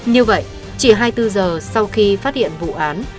như vậy chỉ hai mươi bốn giờ sau khi phát hiện vụ án